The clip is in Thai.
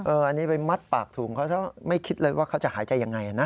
อันนี้ไปมัดปากถุงเขาไม่คิดเลยว่าเขาจะหายใจยังไงนะ